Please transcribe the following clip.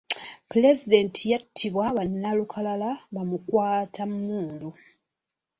Pulezidenti yattibwa bannalukalala bamukwatammundu.